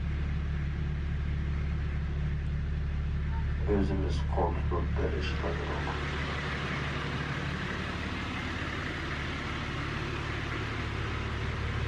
ئۆزىمىز قول تۇتۇپ بىر ئىش قىلمىدۇق.